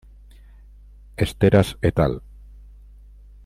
Esteras et al.